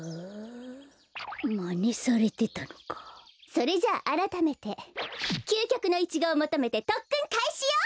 それじゃああらためてきゅうきょくのイチゴをもとめてとっくんかいしよ！